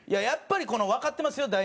やっぱりわかってますよ